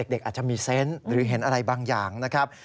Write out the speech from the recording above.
เด็กอาจจะมีเซนต์หรือเห็นอะไรบางอย่างนะครับ